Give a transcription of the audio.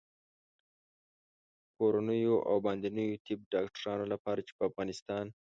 کورنیو او باندنیو طب ډاکټرانو لپاره چې په افغانستان